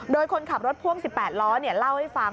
โดยคนขับรถพ่วง๑๘ล้อเล่าให้ฟัง